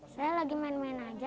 saya lagi main main aja